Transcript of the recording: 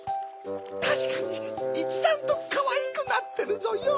たしかにいちだんとかわいくなってるぞよ。